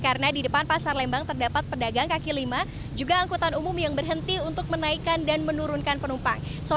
karena di depan pasar lembang terdapat pedagang kaki lima juga angkutan umum yang berhenti untuk menaikkan dan menurunkan penumpang